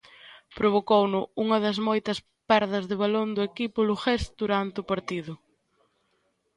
Provocouno unha das moitas perdas de balón do equipo lugués durante o partido.